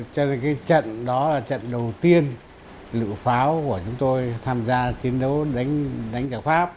trên cái trận đó là trận đầu tiên lựu pháo của chúng tôi tham gia chiến đấu đánh đạt pháp